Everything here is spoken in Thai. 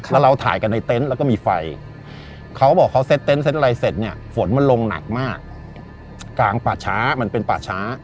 แล้วเราถ่ายกันในเต็นต์แล้วก็มีไฟเขาบอกเขาเซ็ตเต็นเซ็ตอะไรเสร็จเนี่ยฝนมันลงหนักมากกลางป่าช้ามันเป็นป่าช้า